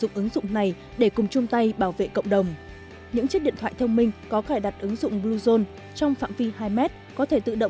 ứng dụng này nó sẽ hỗ trợ cho giải quyết tốt về đó